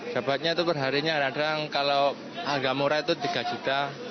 dapatnya itu perharinya kadang kadang kalau agak murah itu rp tiga